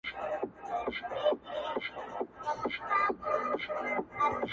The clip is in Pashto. o هيڅوک نه وايي چي زما د غړکي خوند بد دئ.